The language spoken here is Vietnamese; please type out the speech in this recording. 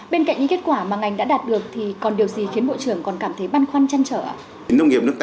bên cạnh những kết quả mà ngành đã đạt được thì còn điều gì khiến bộ trưởng còn cảm thấy băn khoăn chăn trở ạ